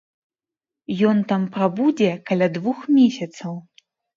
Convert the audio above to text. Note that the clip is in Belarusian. Ён там прабудзе каля двух месяцаў.